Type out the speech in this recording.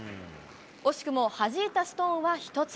惜しくもはじいたストーンは１つ。